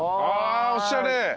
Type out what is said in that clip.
あおしゃれ。